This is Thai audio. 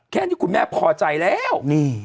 แค่นี้คุณแม่พอใจแล้ว